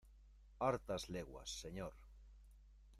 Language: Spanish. ¡ hartas leguas, señor!